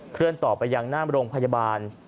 เลื่อนต่อไปยังหน้าโรงพยาบาล